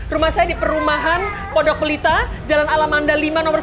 rumah saya di perumahan podok melita jalan alamanda lima nomor sepuluh